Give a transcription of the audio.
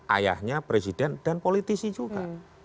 ayahnya presiden dan politisi juga